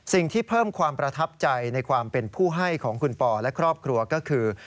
สิ่งที่เพิ่มความประทับใจในความเป็นผู้ให้ของคุณปอและครอบครัวก็คือ